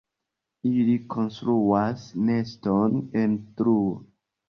Ili konstruas neston en truo.